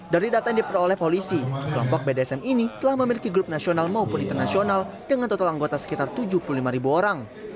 dari data yang diperoleh polisi kelompok bdsm ini telah memiliki grup nasional maupun internasional dengan total anggota sekitar tujuh puluh lima ribu orang